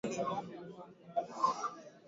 kinachofahamika kama radio d